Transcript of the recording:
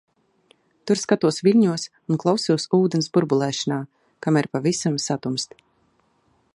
Tur skatos viļņos un klausos ūdens burbulēšanā, kamēr pavisam satumst.